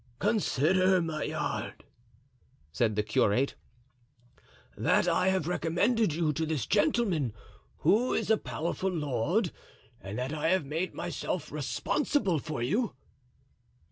"Consider, Maillard," said the curate, "that I have recommended you to this gentleman, who is a powerful lord, and that I have made myself responsible for you."